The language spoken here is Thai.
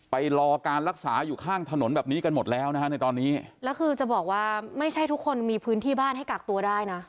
ไปรอการรักษาอยู่ข้างถนนแบบนี้กันหมดแล้วนะฮะในตอนนี้แล้วคือจะบอกว่าไม่ใช่ทุกคนมีพื้นที่บ้านให้กักตัวได้นะ